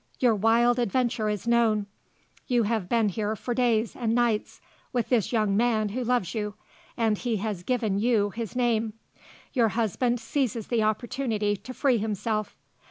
Your wild adventure is known. You have been here for days and nights with this young man who loves you and he has given you his name. Your husband seizes the opportunity to free himself.